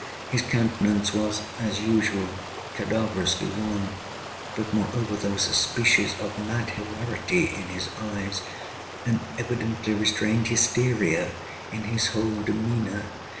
His countenance was, as usual, cadaverously wan—but, moreover, there was a species of mad hilarity in his eyes—an evidently restrained hysteria in his whole demeanor.